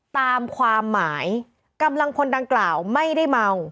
ตามความหมายกำลังพลดังกล่าวไม่ได้เมา